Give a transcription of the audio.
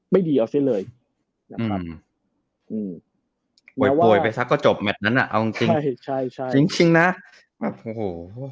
ไม่ดีอ่ะสิเลยอืมอืมป่วยป่วยไปซักก็จบแมทนั้นอ่ะเอาจริงจริงนะแบบโอ้โห